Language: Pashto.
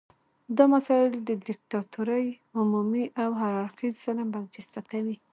دا مسایل د دیکتاتورۍ عمومي او هر اړخیز ظلم برجسته کوي.